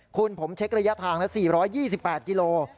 คุณผมเช็คระยะทางละ๔๒๘กิโล